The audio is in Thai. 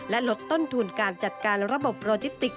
และลดต้นทุนการจัดการระบบโรจิติก